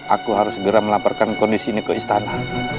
aku harus segera melaporkan kondisi ini ke istana